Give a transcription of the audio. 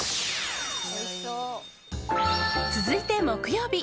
続いて、木曜日。